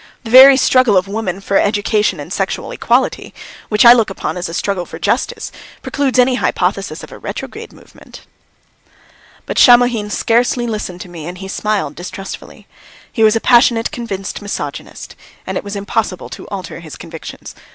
The very struggle of women for education and sexual equality, which I look upon as a struggle for justice, precludes any hypothesis of a retrograde movement." But Shamohin scarcely listened to me and he smiled distrustfully. He was a passionate, convinced misogynist, and it was impossible to alter his convictions.